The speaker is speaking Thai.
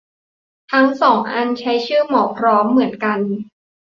ทั้งสองอันใช้ชื่อ หมอพร้อม เหมือนกัน